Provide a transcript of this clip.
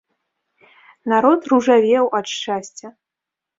Народ ружавеў ад шчасця!